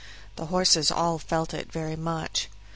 The horses all felt it very much.